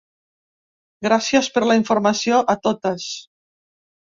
Gràcies per la informació a totes.